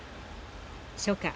初夏